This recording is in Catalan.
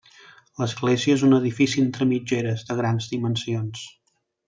L'església és un edifici entre mitgeres, de grans dimensions.